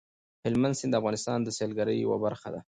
هلمند سیند د افغانستان د سیلګرۍ یوه برخه ده.